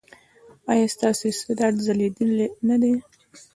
ایا ستاسو استعداد ځلیدلی نه دی؟